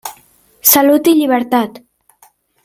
Salut i llibertat!